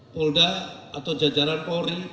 polda atau jajaran pori